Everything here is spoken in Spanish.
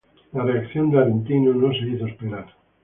La reacción de Aretino no se hizo esperar.